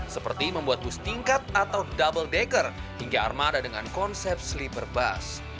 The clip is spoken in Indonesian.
seperti membuat bus tingkat atau double decker hingga armada dengan konsep sleeper bus